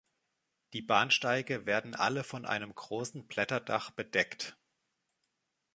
Die Bahnsteige werden alle von einem großen Blätterdach bedeckt.